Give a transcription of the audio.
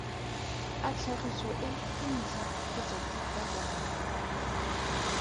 A tlhagiso e ke ntlha kgotsa ke kakanyo?